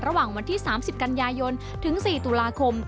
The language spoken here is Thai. ระหว่างวันที่๓๐กันยายนถึง๔ตุลาคม